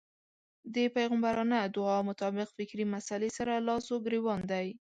دې پيغمبرانه دعا مطابق فکري مسئلې سره لاس و ګرېوان دی.